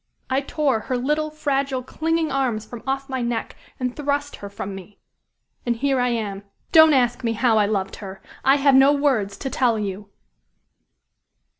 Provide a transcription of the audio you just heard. I tore her little, fragile, clinging arms from off my neck, and thrust her from me. And here I am. Don't ask me how I loved her! I have no words to tell you!"